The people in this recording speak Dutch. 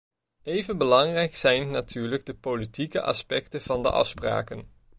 Even belangrijk zijn natuurlijk de politieke aspecten van de afspraken.